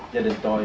gia đình tôi